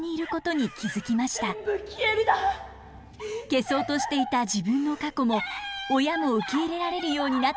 消そうとしていた自分の過去も親も受け入れられるようになったカゲノ。